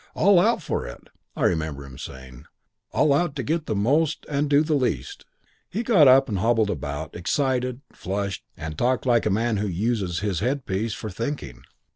All out for it,' I remember him saying, 'all out to get the most and do the least.' "He got up and hobbled about, excited, flushed, and talked like a man who uses his headpiece for thinking.